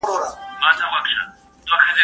زه پرون شګه پاکه کړه؟!